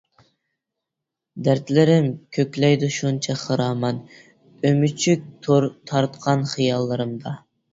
دەردلىرىم كۆكلەيدۇ شۇنچە خىرامان، ئۆمۈچۈك تور تارتقان خىياللىرىمدا.